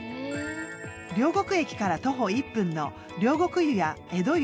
両国駅から徒歩１分の両国湯屋江戸遊。